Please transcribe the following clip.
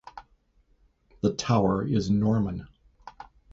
The tower is Norman.